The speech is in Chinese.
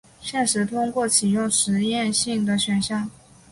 现时通过启用实验性的选项。